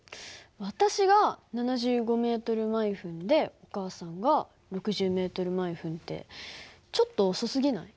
私が７５ｍ／ｍでお母さんが６０ｍ／ｍってちょっと遅すぎない？